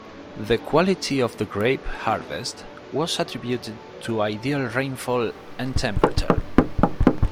The quality of the grape harvest was attributed to ideal rainfall and temperature.